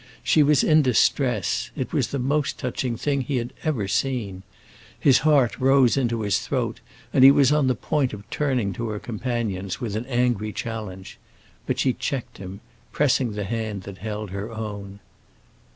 She was in distress; it was the most touching thing he had ever seen. His heart rose into his throat, and he was on the point of turning to her companions, with an angry challenge; but she checked him, pressing the hand that held her own.